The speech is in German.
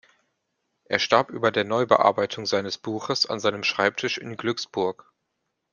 Er starb über der Neubearbeitung seines Buches an seinem Schreibtisch in Glücksburg.